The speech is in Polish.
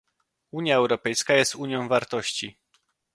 Unia Europejska jest unią wartości